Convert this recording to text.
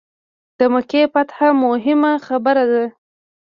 د مکې فتح موهمه خبره ده.